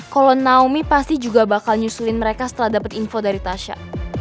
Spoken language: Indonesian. kalau naomi pasti juga bakal nyusulin mereka setelah dapat info dari tasha